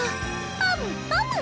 パムパム！